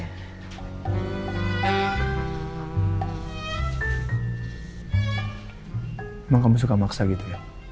emang kamu suka maksa gitu ya